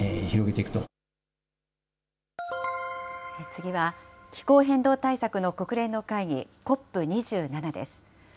次は、気候変動対策の国連の会議、ＣＯＰ２７です。